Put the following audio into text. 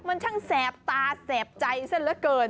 มันช่างแสบตาแสบใจซะละเกิน